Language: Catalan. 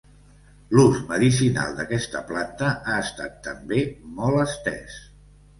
L'ús medicinal d'aquesta planta ha estat també molt estès.